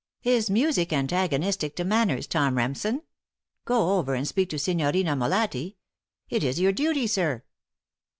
"Is music antagonistic to manners, Tom Remsen? Go over and speak to Signorina Molatti. It is your duty, sir."